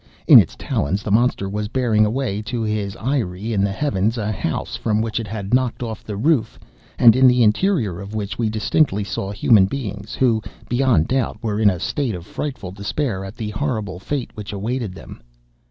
In its talons, the monster was bearing away to his eyrie in the heavens, a house from which it had knocked off the roof, and in the interior of which we distinctly saw human beings, who, beyond doubt, were in a state of frightful despair at the horrible fate which awaited them.